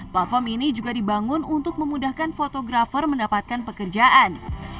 platform ini juga dibangun untuk memudahkan fotografer mendapatkan pekerjaan